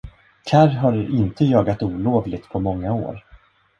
Karr har inte jagat olovligt på många år.